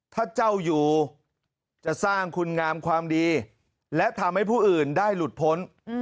ถ้าเจ้าอยู่จะสร้างคุณงามความดีและทำให้ผู้อื่นได้หลุดพ้น